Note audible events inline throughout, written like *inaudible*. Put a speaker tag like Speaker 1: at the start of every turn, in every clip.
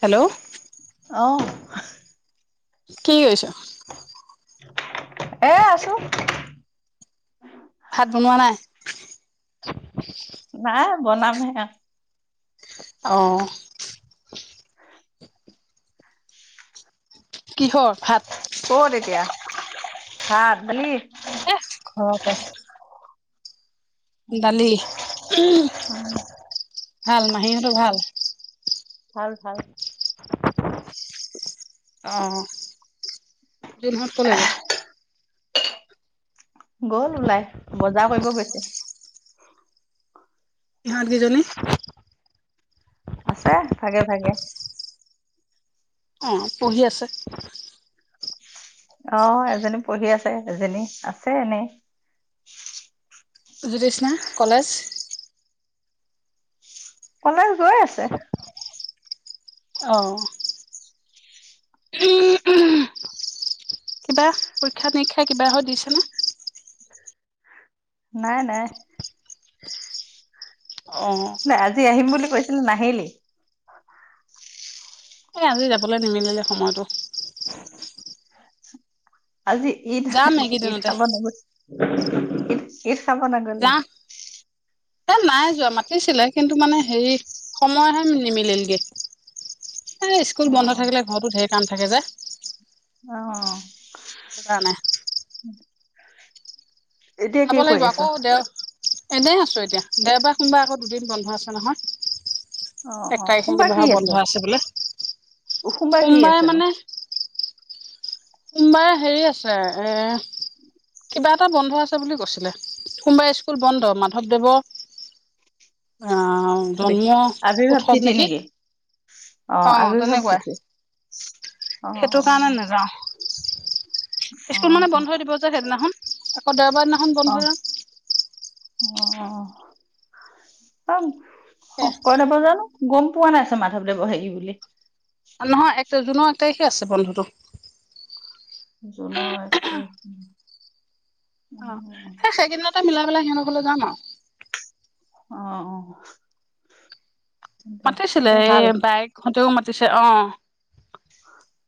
Speaker 1: Hello,
Speaker 2: *unintelligible*
Speaker 1: কি কৈছ?
Speaker 2: এ আছো উ *unintelligible*
Speaker 1: ভাত বনোৱা নাই
Speaker 2: না বনাম হে গান,
Speaker 1: অহ', *inaudible* কিহৰ ভাত?
Speaker 2: *inaudible* ক'ত এতিয়া? ভাত- দালি, -
Speaker 1: এহ ', - ঘৰতে দালি, ভাল মাহীহঁতো ভাল?
Speaker 2: ভাল - ভাল।
Speaker 1: দিনহত ক'লে গ'ল?
Speaker 2: গ'ল ওলাই, বজাৰ কৰিব গৈছে।
Speaker 1: ইহঁত কি জনী?
Speaker 2: আছে, ভাগে- ভাগে।
Speaker 1: অ', পঢ়ি আছে।
Speaker 2: অহ', এজনী পঢ়ি আছে, এজনী আছে এনেই।
Speaker 1: জ্যুতিষ্না কলেজ, -
Speaker 2: কলেজ গৈ আছে
Speaker 1: অঁ উম উম কিবা পৰীক্ষা -নিৰীক্ষা কিবা হয়, দিছেনে?
Speaker 2: নাই', - নাই ',
Speaker 1: অ',
Speaker 2: নাই আজি আহিম বুলি, কৈছিল নাহিলি।
Speaker 1: এই আজি যাবলৈ নিমিলিলে সময়টো
Speaker 2: আজি ঈদ
Speaker 1: যাম
Speaker 2: ঈদ
Speaker 1: এইকেইদিনতে
Speaker 2: খাব নগৈ? *unintelligible* চাব নগলি?
Speaker 1: যাম। এ নাই যোৱা মাতিছিলে কিন্তু মানে হেৰি সময়হে নিমিলিগে এ ', স্কুল
Speaker 2: অ
Speaker 1: বন্ধ থাকিলে ঘৰতো ধেৰ, কাম থাকে যে
Speaker 2: অ অহ
Speaker 1: সেইটো কাৰণে।
Speaker 2: উম।
Speaker 1: যাব
Speaker 2: কৰি
Speaker 1: লাগিব
Speaker 2: আছ
Speaker 1: আকৌ দে এনেই আছো এতিয়া দেওবাৰ কোনোবা আকৌ দুদিন বন্ধ আছে নহয়।
Speaker 2: অ অ
Speaker 1: এক তাৰিখে
Speaker 2: সোমবাৰ কি
Speaker 1: কবাৰ বন্ধ আছে বোলে
Speaker 2: সোমবাৰ কি
Speaker 1: সোমবাৰে
Speaker 2: আছেনো
Speaker 1: মানে। সোমবাৰে হেৰি আছে এ কিবা এটা বন্ধ আছে বুলি কৈছিলে সোমবাৰে স্কুল বন্ধ মাধৱদেৱৰ আহ জন্ম
Speaker 2: আৱৰ্ভাৱ তিথি নেকি? অ আৱিৰ্ভাৱ তিথি অ',
Speaker 1: সেইটো কাৰণে
Speaker 2: অ',
Speaker 1: নাযাও। স্কুল মানে
Speaker 2: অ',
Speaker 1: বন্ধ হৈ দিব যে সেইদিনাখন অ দেৱবাৰ দিনাখন বন্ধ
Speaker 2: অ অ অ কই নব জানো *unintelligible* গম পোৱা নাইছো মাাধৱ দেৱৰ হেৰি বুলি
Speaker 1: নহয় জুনৰ এক তাৰিখে আছে বন্ধটো
Speaker 2: জুনৰ এক তাৰিখ
Speaker 1: অ সেই সেইকদিনতে মিলাই পেলাই সিহঁতক কৈলৈ যাম আৰু
Speaker 2: অ অ দে
Speaker 1: মাতিছিলে,
Speaker 2: এতিয়া
Speaker 1: এই
Speaker 2: ভাল
Speaker 1: বাইকহঁতেও মাতিছে অ,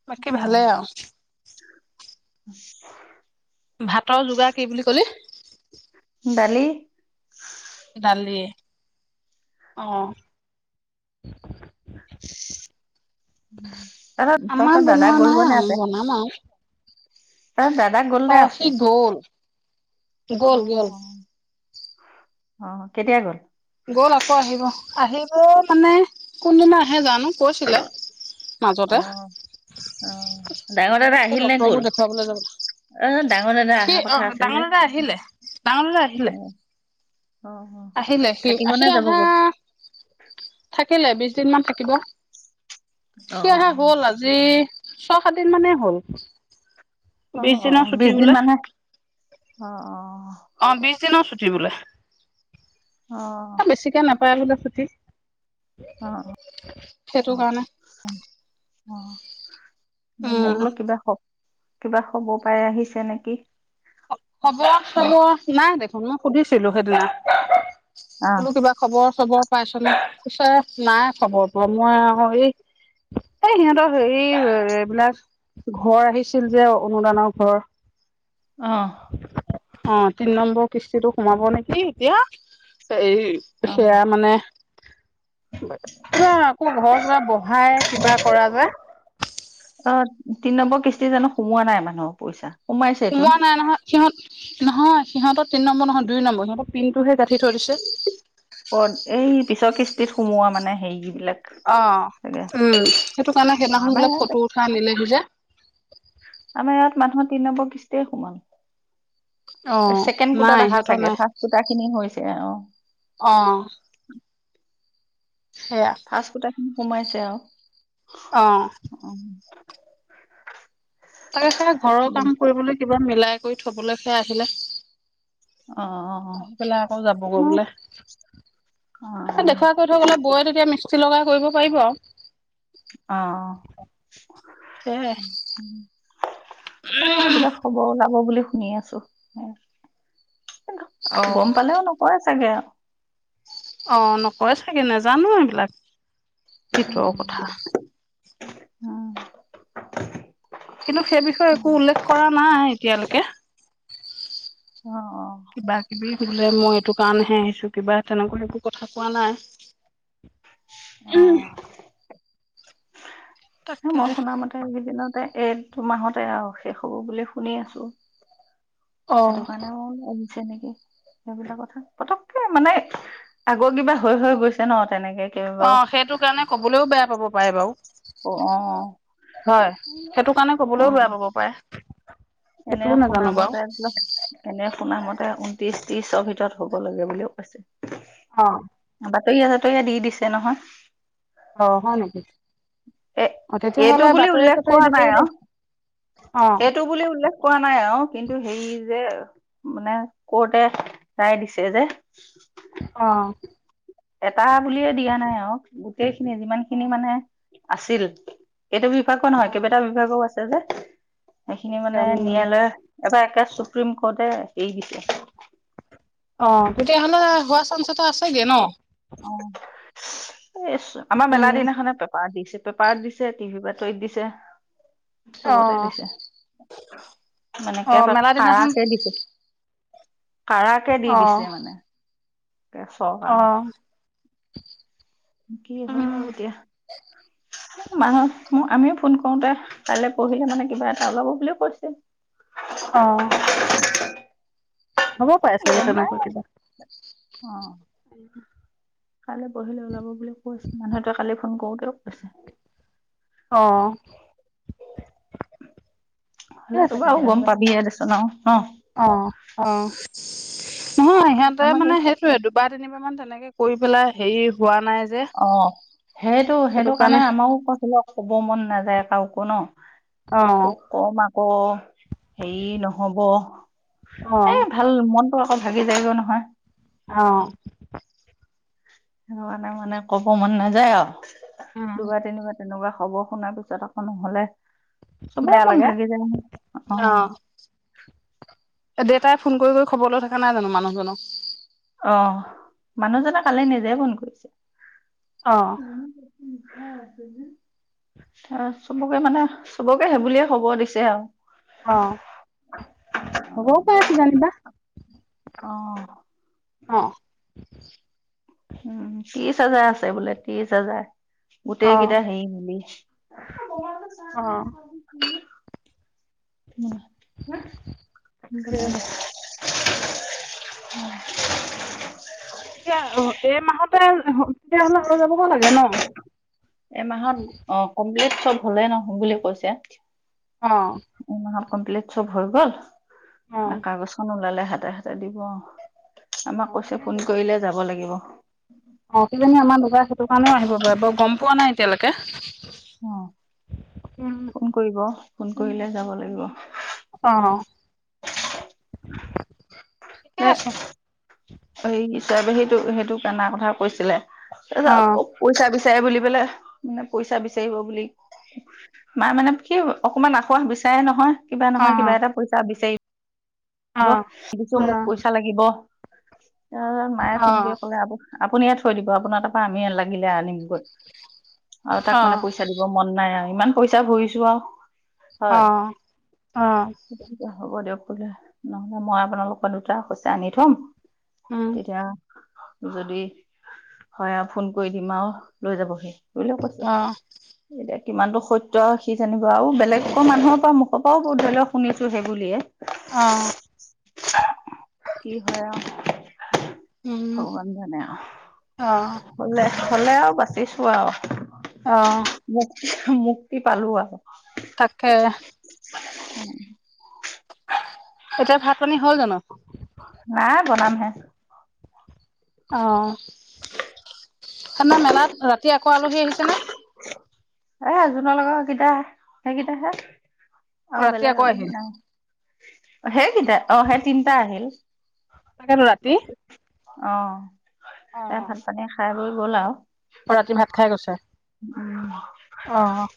Speaker 1: বাকী ভালেই আও
Speaker 2: আ *unintelligible*
Speaker 1: ভাতৰ যোগাৰ কি বুলি কলি
Speaker 2: উহম
Speaker 1: দালি, আহ
Speaker 2: তা তত
Speaker 1: আমাৰ
Speaker 2: দাদা
Speaker 1: বনোৱা
Speaker 2: গ'ল
Speaker 1: নাই
Speaker 2: গনে
Speaker 1: আৰু
Speaker 2: আছে।
Speaker 1: বনাম আৰু
Speaker 2: ত দাদা গললে
Speaker 1: অ সি
Speaker 2: আছে
Speaker 1: গ'ল গ'ল গ'ল
Speaker 2: আহ অ কেতিয়া গ'ল।
Speaker 1: গ'ল আকৌ আহিব আহিব মানে কোনদিনা আহে জানো কৈছিলে মাজতে
Speaker 2: অ', অ', ডাঙৰ দাদা
Speaker 1: আকৌ
Speaker 2: আহিল নে গ'ল
Speaker 1: ড্টৰকো দেখুৱাবলৈ যাব
Speaker 2: অ', ডাঙৰ দাদা
Speaker 1: সি
Speaker 2: অহা
Speaker 1: অ
Speaker 2: কথা আছিল
Speaker 1: ডাঙৰ
Speaker 2: যে
Speaker 1: দাদা আহিলে ডাঙৰ দাদা আহিলে
Speaker 2: অ', অ', অ
Speaker 1: আহিলে সি
Speaker 2: থাকিব নে
Speaker 1: সি আহা
Speaker 2: যাবগৈ
Speaker 1: থাকিলে। দিনমান থাকিব
Speaker 2: অ', অ',
Speaker 1: সেয়াহে গ'ল আজি। ছয় সাত দিন মানে হল
Speaker 2: অ
Speaker 1: বিশ দিনৰ ছুটি
Speaker 2: বিশদিন
Speaker 1: বোলে
Speaker 2: মানহে অ অ
Speaker 1: অ বিশ দিনৰ ছুটী কি বোলে
Speaker 2: অ
Speaker 1: পাই গ'লা ছুতি
Speaker 2: অ
Speaker 1: সেইটো কাৰণে
Speaker 2: অ মই
Speaker 1: উম
Speaker 2: বোলো কিবা কিবা খবৰ পাই আহিছে নেকি
Speaker 1: হ'ব
Speaker 2: নে
Speaker 1: হ'ব নাই দেখোন মই সুধিছিলো সেইদিনা
Speaker 2: অ
Speaker 1: বোলো কিবা খবৰ খবৰ পাইছনে কৈছে নাই খবৰ পোৱা মই আৰু এই এই সিহঁতৰ হে এইবিলাক ঘৰ আহিছিল যে অনুদানৰ ঘৰ
Speaker 2: অ
Speaker 1: অ তিনি নম্বৰ কিস্তিটো সোমাব নেকি এতিয়া
Speaker 2: অ
Speaker 1: এই সেয়া মানে কিবা আকৌ ঘৰ দুৱাৰ বহাই কিবা কৰা যে
Speaker 2: অ তিনি নম্বৰ কিস্তি জানো সোমোৱা নাই মানুহ পইচা সোমাইছেতোন
Speaker 1: সোমোৱা নাই নহয় সিহঁত নহয় সিহঁতৰ তিনি নম্বৰ নহয় দুই নম্বৰ সিহঁতৰ পিন তটোহে গাঁঠি থৈ দিছে
Speaker 2: এই পিছৰ কিস্তিত সোমোৱা মানে হেৰিবিলাক
Speaker 1: অ
Speaker 2: চাগে
Speaker 1: উম সেইটো কাৰণে সেইদিনাখন
Speaker 2: আমাৰ
Speaker 1: বোলে
Speaker 2: ইয়াত
Speaker 1: ফটো উঠাই নিলেহি যে
Speaker 2: আমাৰ ইয়াত মানুহৰ তিনি নম্বৰ কিষ্টিয়ে সোমাল
Speaker 1: অ'
Speaker 2: ছেকেণ্ড
Speaker 1: নাই
Speaker 2: কোটাত অহা
Speaker 1: সিহঁতৰ
Speaker 2: চাগে
Speaker 1: নাই
Speaker 2: ফাৰ্ষ্ট কুটা খিনি হৈছে অ
Speaker 1: অ' সেয়া
Speaker 2: ফাৰ্ষ্ট কুটা সোমাইছে অ
Speaker 1: অ তাকে সেই ঘৰৰ কাম কৰিবলৈ কিবা মিলাই কৰি থবলৈ কে আহিলে
Speaker 2: অ
Speaker 1: আহি পেলাই আকৌ যাব গৈ
Speaker 2: অ
Speaker 1: বোলে দেখুৱা কৰি থৈ গলে বৌয়ে তেতিয়া মি মিস্ত্ৰী লগাই কৰিব পাৰিব আৰু
Speaker 2: অ
Speaker 1: *unintelligible*
Speaker 2: অ' কিবা খবৰ ওলাব বুলি শুনি আছো!
Speaker 1: অ'
Speaker 2: গম পালেও নকয় চাগে
Speaker 1: অ' নকয় চাগে, নাজানো এইবিলাক! ভিতৰৰ
Speaker 2: উম
Speaker 1: কথা!
Speaker 2: উম!
Speaker 1: কিন্তু, সেই বিষয়ে একো উল্লেখ কৰা নাই। এতিয়ালৈকে
Speaker 2: অ
Speaker 1: কিবা কিবি বোলে মই এইটো কাৰণহে আহিছো, কিবা তেনেকুৱা সেইবোৰ কথা কোৱা নাই।
Speaker 2: অ সেই,
Speaker 1: তাকে
Speaker 2: মই শুনামতে এইকেইদিনত এই, দুমাহতে আৰু শেষ হ'ব বুলি শুনি আছো।
Speaker 1: অ'
Speaker 2: সেইটো কাৰণে অ'মোক সচাঁ নেকি সেইবিলাক কথা? পতককে মানে, আগৰ কিবা হৈ হৈ গৈছে ন! তেনেকে কেইবাও
Speaker 1: অ' সেইটো কাৰণে, কবলৈও বেয়া পাব পাৰে বাৰু!
Speaker 2: অ অ
Speaker 1: হয়। সেইটো কাৰণে,
Speaker 2: অ
Speaker 1: ক'বলৈও বেয়া পাব পাৰে।
Speaker 2: এনে
Speaker 1: সেইটোও নাজানো বাৰু।
Speaker 2: শুনামতে, এনে শুনামতে ঊনত্ৰিশ! ত্ৰিশৰ ভিতৰত, হ'ব লাগে বুলিও কৈছে।
Speaker 1: অ'
Speaker 2: বাতৰিয়ে জাতৰিয়ে দি দিছে নহয়!
Speaker 1: অ' হয় নেকি?
Speaker 2: এ
Speaker 1: অ
Speaker 2: এইটো
Speaker 1: তেতিয়াহ'লে
Speaker 2: বুলি
Speaker 1: বাতৰি
Speaker 2: উল্লেখ
Speaker 1: চাতৰি
Speaker 2: কৰা
Speaker 1: দিছে
Speaker 2: নাই
Speaker 1: যদি
Speaker 2: আৰু
Speaker 1: অ
Speaker 2: এইটো বুলি উল্লেখ কৰা নাই আৰু কিন্তু টো হেৰি যে মানে কৰ্টে ৰায় দিছে যে
Speaker 1: অঁ!
Speaker 2: এটা বুলিয়ে দিয়া নাই আৰু গোটেই খিনি যিমান খিনি মানে আছিল। এইটো বিভাগো নহয়,
Speaker 1: অ
Speaker 2: কেইবাটাও বিভাগো আছে। *unintelligible* সেইখিনি মানে
Speaker 1: উম
Speaker 2: ন্যায়ালয় এবাৰ একে চুপ্ৰিম কোৰ্টে এৰি দিছে
Speaker 1: অঁ তেতিয়াহলে হোৱা চাঞ্চ এটা আছেগে ন
Speaker 2: অঁ এই আমাৰ মেলা
Speaker 1: উম
Speaker 2: দিনাখনে পেপাৰ দিছে পেপাৰত দিছে টিভিৰ বাতৰি ত দিছে
Speaker 1: অ
Speaker 2: চবতে দিছে মানে
Speaker 1: অ
Speaker 2: একেবাৰে
Speaker 1: মেলা দিনাখন
Speaker 2: কাৰাকে দিছে কাৰাকে দি
Speaker 1: অ
Speaker 2: দিছে মানে চৰকাৰ
Speaker 1: অ
Speaker 2: কি
Speaker 1: উম
Speaker 2: হয় এতিয়া মানুহ মোক আমিও ফোন কৰোতে কাইলৈ পঢ়িলে মানে কিবা এটা ওলাব বুলিও কৈছিল
Speaker 1: অ হ'ব পাৰে চাগে
Speaker 2: প
Speaker 1: তেনেকুৱা কিবা
Speaker 2: অ কাইলৈ পঢ়িলে ওলাব বুলি কৈ আছ মানুহ তোৱে কালি ফোন কৰো ক আছে
Speaker 1: অহ ঠিকে
Speaker 2: হলে
Speaker 1: আছে
Speaker 2: তো বাৰু গম
Speaker 1: তেতিয়াহ'লে
Speaker 2: পাবিয়ে দেচোন আৰু ন
Speaker 1: অ অ নহয় সিহঁতে
Speaker 2: আমাক
Speaker 1: মানে সেইটোয়েটো বা তিনিবাৰ মান তেনেকে কৰি পেলাই হেৰি হোৱা নাই যে
Speaker 2: অ সেইটো সেইটো কাৰণে আমাৰো কৈছিলো ক'ব মন নাযায় কাকো ন
Speaker 1: অ
Speaker 2: ক কম আকৌ হেৰি নহব
Speaker 1: অ
Speaker 2: এ ভাল মন আকৌ ভাগি যায়গৈ নহয়
Speaker 1: আহ
Speaker 2: মানে মানে কব মন নাযায় আৰু দুবাৰ তিনিবাৰ তেনেকুৱা খবৰ শুনাৰ পিছত আকৌ নহ'লে চবৰে
Speaker 1: বেয়া
Speaker 2: মন
Speaker 1: লাগে
Speaker 2: ভাগি যায়
Speaker 1: অ দেউতাই ফোন কৰি কৰি খবৰ লৈ থাকে দে নাই জানো মানুহজনক
Speaker 2: আহ মানুহজনে কালি নিজে ফোন কৰিছে
Speaker 1: অ'
Speaker 2: উম চবকে মানে চবকে সেইবুলিয়ে খবৰ দিছে আৰু
Speaker 1: অ হ'বও পাৰে কিজানিবা
Speaker 2: অ
Speaker 1: অ
Speaker 2: উম, ত্ৰিশ হাজাৰ আছে বোলে, ত্ৰিশ হাজাৰ। গোটেই
Speaker 1: অ'
Speaker 2: কেইটা সেই
Speaker 1: অ',
Speaker 2: *unintelligible* উম
Speaker 1: এতিয়া এই মাহতে তেতিয়াহ'লে আৰু যাবগৈ লাগে ন
Speaker 2: এ মাহত অ কমপ্লিট চব হলেই নহয় বুলি কৈছে
Speaker 1: অ'!
Speaker 2: এমাহত কমপ্লিট চব হৈ গ'ল এ
Speaker 1: অ'
Speaker 2: কাগজ খখন ওলালে হাতে হাতে দিব অ'! আমাক
Speaker 1: অ'
Speaker 2: কৈছে
Speaker 1: কিজানি
Speaker 2: ফোন কৰিলে যাব লাগিব অ
Speaker 1: অ' কিজানি আমাৰ দুটাৰ সেইটো কাৰণেও আহিব পাৰে। বাৰু গম পোৱা নাই এতিয়ালৈকে!
Speaker 2: আহ
Speaker 1: উম,
Speaker 2: ফোন কৰিব ফোন কৰিলে যাব লাগিব
Speaker 1: অ ঠিকে আছে।
Speaker 2: *unintelligible* এই, হিচাবে সেইটো, সেইটোক অনাৰ কথা কৈছিলে। পইচা
Speaker 1: অ'
Speaker 2: পছ বিচাৰে বুলি পেললে মানে পইচা বিচাৰিব বুলি মা মানে কি অকমান আসাহ বিচাৰে নহয় কিবা নহয়
Speaker 1: অ'
Speaker 2: কিবা এটা পইচা বিচাৰি
Speaker 1: অ'
Speaker 2: *unintelligible* দিছো
Speaker 1: অ'
Speaker 2: মোক পইচা লাগিব। তাৰছ মায়ে
Speaker 1: অ'
Speaker 2: ফোন কৰি
Speaker 1: অ'
Speaker 2: ক'লে আব আপুনি ইয়াত থৈ দিব আপোনাৰ তাৰপৰা আমি লাগিলে আনিমগৈ আৰু তাক মানে পইচা দিব মন নাই আৰু ইমান পইচা ভৰিছো আৰু হয়
Speaker 1: আহ আহ
Speaker 2: ল নহলে মই আপোনালোকৰ দুটা শসা আনি থম
Speaker 1: উম,
Speaker 2: তেতিয়া যদি হয় আৰু ফোন কৰি দিম আৰু লৈ যাবহি। বলে
Speaker 1: অ'
Speaker 2: কৈছে কিমানটো সত্য সি জানিব আৰু বেলেগকৰ মানুহৰ পৰা মুখৰ পৰাও ব ধৰি লওক শুনিছো সেই বুলিয়ে
Speaker 1: অ'
Speaker 2: কি হয়
Speaker 1: উম,
Speaker 2: আউ ভগৱান জানে আৰু
Speaker 1: অ'
Speaker 2: হলে হলে আৰু বাচিছো। ওৱাও
Speaker 1: আহ
Speaker 2: মুক্তি পালো আৰু
Speaker 1: তাকে এতিয়া ভাত পানী হ'ল জানো
Speaker 2: না বলাম হে
Speaker 1: অ সনা মেলাত ৰাতি আকৌ আলহী আহিছে নে
Speaker 2: এ জোনৰ লগৰ কেইটা সেইকেইটা হে অ
Speaker 1: ৰাতি
Speaker 2: বেলেগ
Speaker 1: আকৌ আহিল।
Speaker 2: আলহি নাই সেইকেইটা অ সেই তিনটা আহিল
Speaker 1: তাকেতো ৰাতি
Speaker 2: অহ এ ভাত পানী খাই ৰই গ'লা
Speaker 1: ম ৰাতি ভাত খাই গৈছে
Speaker 2: উম
Speaker 1: অ'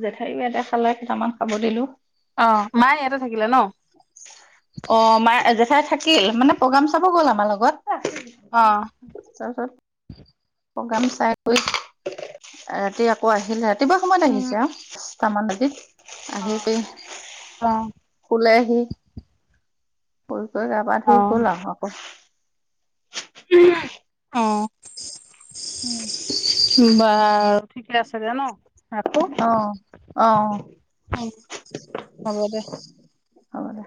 Speaker 2: জেঠাই এটা খালে কেইটামান খাব দিলো
Speaker 1: অ মায়ে ইয়াতে থাকিলে ন
Speaker 2: অ মাৰ জেঠাই থাকে থিল মানে প্ৰগ্ৰাম চাব গ'ল আমাৰ
Speaker 1: অ'
Speaker 2: লগত চ চ প্ৰগ্ৰাম চাই গৈ ৰাতি আকৌ আহিলে ৰাতিপুৱা সময়ত
Speaker 1: উম
Speaker 2: আহিছে আহচটামান লাগে হ
Speaker 1: অ অ
Speaker 2: শুলেহি শু গৈ গা পা ধুই গ'ল আৰু আকৌ
Speaker 1: উম অ বাৰু ঠিকে আছে দে ন ৰাখো
Speaker 2: অ অ
Speaker 1: উ হ'ব দে
Speaker 2: হ'ব দে